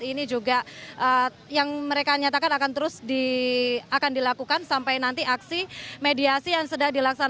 ini juga yang mereka nyatakan akan terus akan dilakukan sampai nanti aksi mediasi yang sedang dilaksanakan